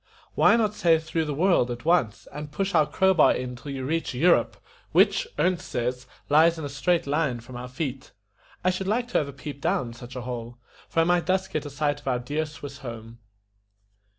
"Why not say through the world at once, and push your crow bar in till you reach EU ROPE, which, Ernest says, lies in a straight line from our feet. I should like to have a peep down, such a hole, for I might thus get a sight of our dear Swiss home."